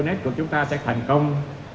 diễn đàn của chúng ta sẽ thành công